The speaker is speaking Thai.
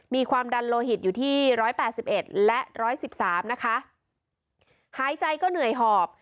มีความดันโลหิตอยู่ที่ร้อยแปดสิบเอ็ดและร้อยสิบสามนะคะหายใจก็เหนื่อยหอบ